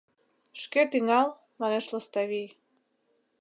— Шке тӱҥал, — манеш Лыставий.